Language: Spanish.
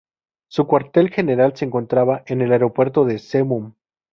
Su cuartel general se encontraba en el Aeropuerto de Zemun.